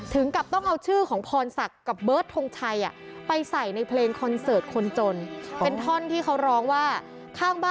ถึงกับต้องเอาชื่อของพองศักดิ์กับ